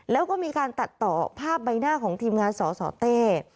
แล้วก็มีการตัดต่อภาพใบหน้าของทีมงานสสเต้